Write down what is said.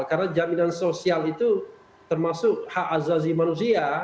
karena jaminan sosial itu termasuk hak azazi manusia